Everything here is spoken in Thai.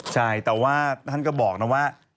ใช่แต่ว่าท่านก็บอกนะว่า